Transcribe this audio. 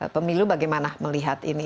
pemilu bagaimana melihat ini